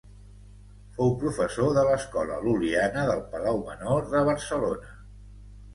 Fou professor de l'escola lul·liana del palau menor de Barcelona.